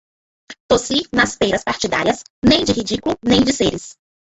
Tossir não pêras partidárias, nem de ridículo nem de seres.